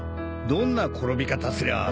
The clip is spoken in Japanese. どんな転び方すりゃあ